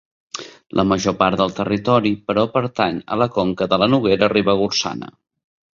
La major part del territori però pertany a la conca de la Noguera Ribagorçana.